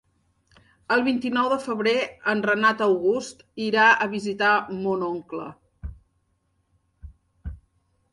El vint-i-nou de febrer en Renat August irà a visitar mon oncle.